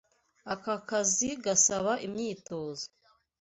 Aka kazi gasaba imyitozo.